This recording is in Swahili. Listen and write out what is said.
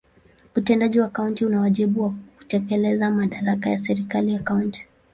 Utendaji wa kaunti una wajibu wa kutekeleza madaraka ya serikali ya kaunti.